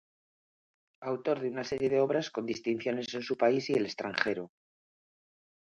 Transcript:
Autor de una serie de obras con distinciones en su país y el extranjero.